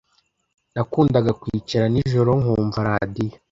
Nakundaga kwicara nijoro nkumva radio.